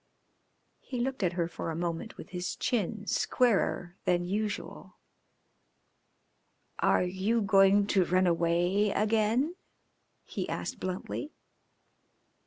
He looked at her for a moment with his chin squarer than usual. "Are you going to run away again?" he asked bluntly.